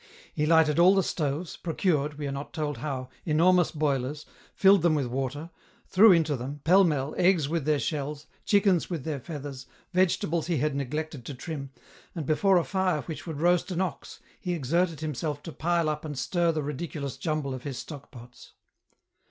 He lighted all the stoves, procured, we are not told how, enormous boilers, filled them with water, threw into them, pell mell, eggs with their shells, chickens with their feathers, 230 EN ROUTE vegetables he had neglected to trim, and before a fire which would roast an ox, he exerted himself to pile up and stir the ridiculous jumble of his stock pots.